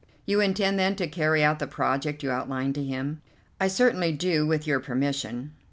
"You intend, then, to carry out the project you outlined to him?" "I certainly do, with your permission."